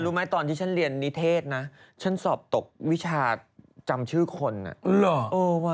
ไหมตอนที่ฉันเรียนนิเทศนะฉันสอบตกวิชาจำชื่อคนอ่ะเหรอ